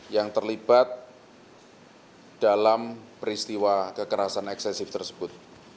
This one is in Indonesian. yang terlibat dalam peristiwa kekerasan eksesif tersebut